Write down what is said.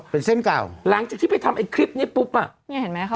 เป็นเส้นเก่าหลังจากที่ไปทำไอ้คลิปนี้ปุ๊บอ่ะเนี่ยเห็นไหมคะ